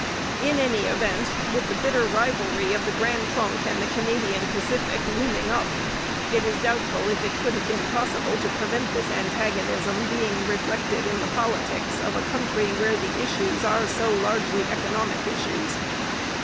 In any event, with the bitter rivalry of the Grand Trunk and the Canadian Pacific looming up, it is doubtful if it could have been possible to prevent this antagonism being reflected in the politics of a country where the issues are so largely economic issues.